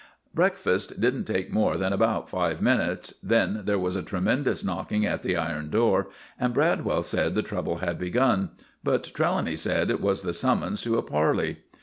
Breakfast didn't take more than about five minutes, then there was a tremendous knocking at the iron door, and Bradwell said the trouble had begun, but Trelawny said it was the summons to a parley.